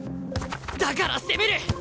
だから攻める！